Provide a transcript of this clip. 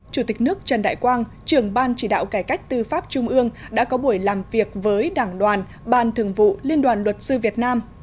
chủ tịch nước trần đại quang trưởng ban chỉ đạo cải cách tư pháp trung ương đã có buổi làm việc với đảng đoàn ban thường vụ liên đoàn luật sư việt nam